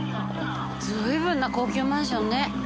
随分な高級マンションね。